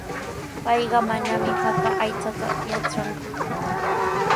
Payqa manami haka aychata yatranku.